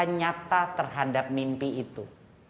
nyata terhadap mimpi itu